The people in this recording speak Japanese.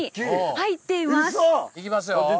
いきますよ。